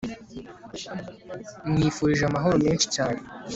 mwifulije amahoro menshi cyane